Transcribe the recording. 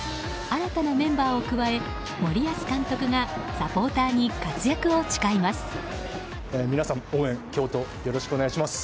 新たなメンバーを加え森保監督がサポーターに活躍を誓います。